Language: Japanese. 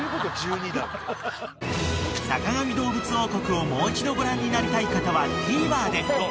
［『坂上どうぶつ王国』をもう一度ご覧になりたい方はＴＶｅｒで］